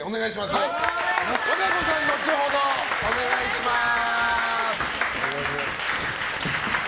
和歌子さん、後ほどお願いします。